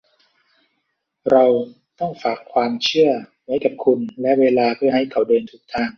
เราต้องฝากความเชื่อไว้กับคุณและเวลาเพื่อให้เขาเดินถูกทาง